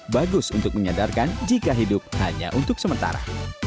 bagus untuk menyadarkan jika hidup hanya untuk sementara